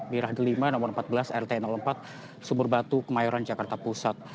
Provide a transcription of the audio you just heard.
mirah delima nomor empat belas rt empat sumur batu kemayoran jakarta pusat